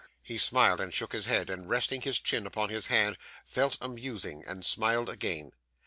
He smiled and shook his head, and resting his chin upon his hand, fell a musing, and smiled again.